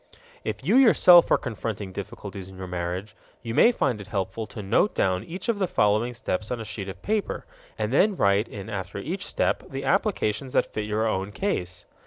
If you yourself are confronting difficulties in your marriage, you may find it helpful to note down each of the following steps on a sheet of paper and then write in after each step the applications that fit your own case.